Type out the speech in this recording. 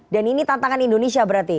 dan ini tantangan indonesia berarti